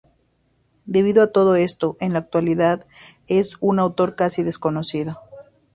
Debido a todo esto, en la actualidad es un autor casi desconocido.